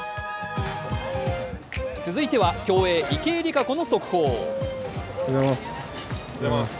続いては、競泳・池江璃花子の速報。